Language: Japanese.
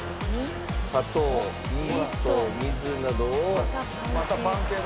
砂糖イースト水などを。